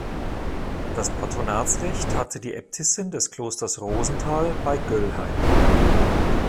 Das Patronatsrecht hatte die Äbtissin des Klosters Rosenthal bei Göllheim.